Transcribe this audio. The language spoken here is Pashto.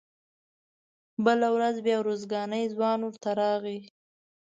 بله ورځ بیا ارزګانی ځوان ورته راغی.